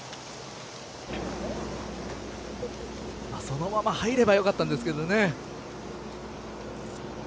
そのまま入ればよかったんですけどね。